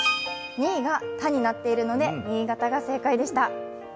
２位が「た」になっているので新潟が正解でした。